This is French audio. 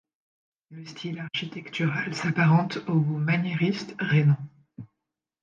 Le style architectural s'apparente au goût maniériste rhénan.